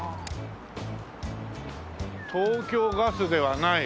東京ガスではない。